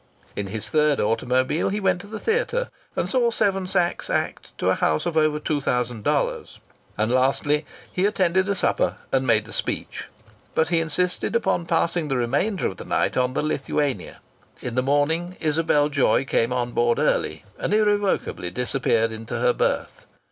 In his third automobile he went to the theatre and saw Seven Sachs act to a house of over two thousand dollars. And lastly he attended a supper and made a speech. But he insisted upon passing the remainder of the night on the Lithuania. In the morning Isabel Joy came on board early and irrevocably disappeared into her berth.